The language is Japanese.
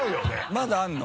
まだあるの？